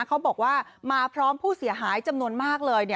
เขาบอกว่ามาพร้อมผู้เสียหายจำนวนมากเลย